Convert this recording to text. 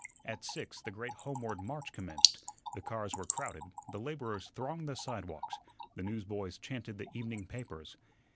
At six the great homeward march commenced; the cars were crowded, the laborers thronged the sidewalks, the newsboys chanted the evening papers.